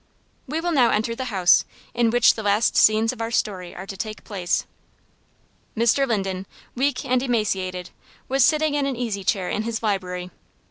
We will now enter the house, in which the last scenes of our story are to take place. Mr. Linden, weak and emaciated, was sitting in an easy chair in his library.